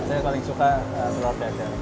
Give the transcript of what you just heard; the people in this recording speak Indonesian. saya paling suka telor dadar